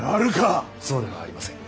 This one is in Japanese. そうではありません。